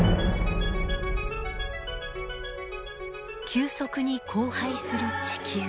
急速に荒廃する地球。